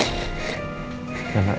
udah enggak ya